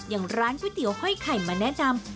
อย่างร้านก๋วยเตี๋ยวห้อยไข่มาแนะนำ